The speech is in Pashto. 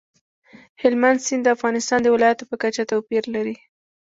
هلمند سیند د افغانستان د ولایاتو په کچه توپیر لري.